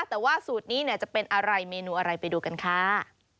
แต่ว่าสูตรนี้เนี่ยจะเป็นอะไรเมนูอะไรไปดูกันค่ะ